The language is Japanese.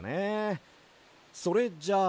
それじゃあ。